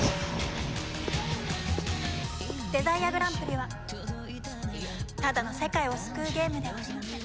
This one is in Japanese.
デザイアグランプリはただの世界を救うゲームではありません。